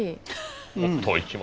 うん。